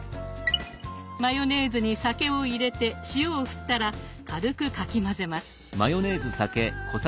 マヨネーズに酒を入れて塩を振ったら軽くかき混ぜます。